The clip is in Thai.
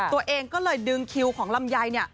ตัวเองก็เลยดึงคิวของลำไย